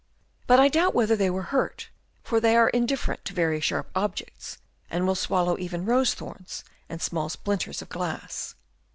But I doubt whether they were hurt, for they are indif ferent to very sharp objects, and will swallow even rose thorns and small splinters of glass.